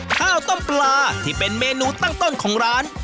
ข้าวต้มปลาที่เป็นเมนูตั้งต้นของร้าน